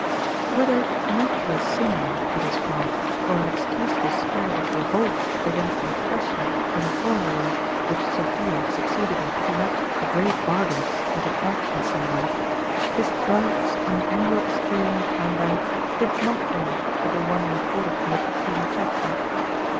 "WHETHER it was natural sin on Peter's part, or an excusable spirit of revolt against the op pression of an orrery which Sophia succeeded in picking up a great bargain at an auction somewhere, his drafts on the Anglo Austra lian Time Bank did not end with the one re corded in the preceding chapter.